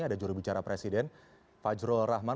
ada juru bicara presiden fajrul rahman